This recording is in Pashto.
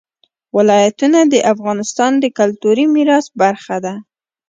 ولایتونه د افغانستان د کلتوري میراث برخه ده.